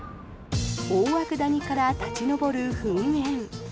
大涌谷から立ち上る噴煙。